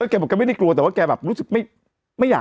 แกบอกแกไม่ได้กลัวแต่ว่าแกแบบรู้สึกไม่อยาก